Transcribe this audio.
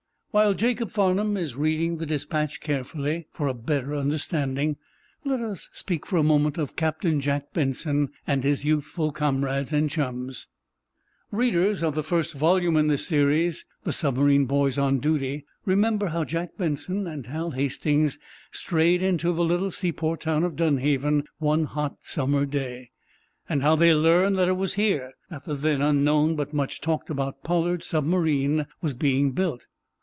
While Jacob Farnum is reading the despatch carefully, for a better understanding, let us speak for a moment of Captain Jack Benson and his youthful comrades and chums. Readers of the first volume in this series, "The Submarine Boys on Duty," remember how Jack Benson and Hal Hastings strayed into the little seaport town of Dunhaven one hot summer day, and how they learned that it was here that the then unknown but much talked about Pollard submarine was being built.